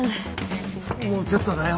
もうちょっとだよ。